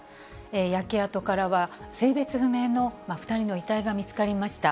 焼け跡からは性別不明の２人の遺体が見つかりました。